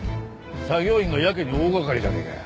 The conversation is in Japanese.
作業員がやけに大がかりじゃねえかよ。